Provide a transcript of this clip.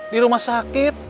di rumah sakit